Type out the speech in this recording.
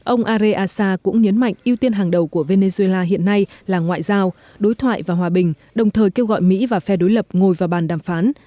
ông areaza cũng nhấn mạnh ưu tiên hàng đầu của venezuela hiện nay là ngoại giao đối thoại và hòa bình đồng thời kêu gọi mỹ và phe đối lập ngồi vào bàn đàm phán